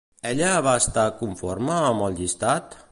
Ella va estar conforme amb el llistat?